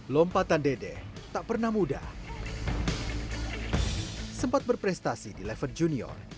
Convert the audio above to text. lompatan dede tak pernah mudah sempat berprestasi di level junior